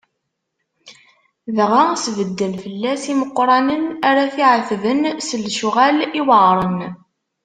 Dɣa sbedden fell-as imeqqranen ara t-iɛetben s lecɣal iweɛṛen.